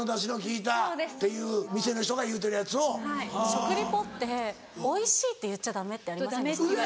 食リポって「おいしい」って言っちゃダメってありませんでした？